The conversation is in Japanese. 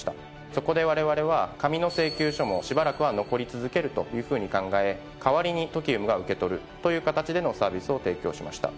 そこでわれわれは紙の請求書もしばらくは残り続けるというふうに考え代わりにＴＯＫＩＵＭが受け取るという形でのサービスを提供しました。